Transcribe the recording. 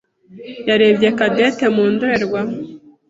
yarebye Cadette mu ndorerwamo.